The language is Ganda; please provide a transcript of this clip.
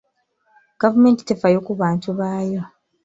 Gavumenti tefaayo ku bantu baayo.